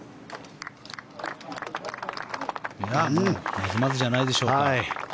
まずまずじゃないでしょうか。